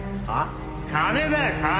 金だよ金！